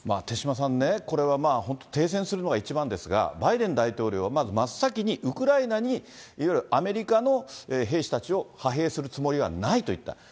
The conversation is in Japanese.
手嶋さんね、これは本当、停戦するのが一番ですが、バイデン大統領はまず真っ先にウクライナにいわゆるアメリカの兵士たちを派兵するつもりはないと言った。